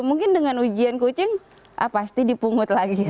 mungkin dengan ujian kucing pasti dipungut lagi